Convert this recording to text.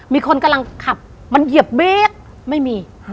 มีคนกำลังขับมันเหยียบเบรกไม่มี